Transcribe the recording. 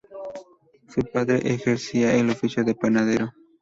Su padre ejercía el oficio de panadero.